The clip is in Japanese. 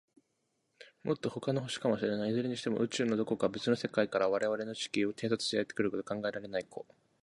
もっと、ほかの星かもしれない。いずれにしても、宇宙の、どこか、べつの世界から、われわれの地球を偵察にやってくるということは、考えられないことじゃないからね。